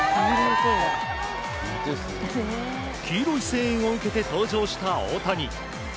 黄色い声援を受けて登場した大谷。